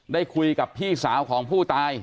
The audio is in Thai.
ได้คุยกับพี่สาวของผู้ตาย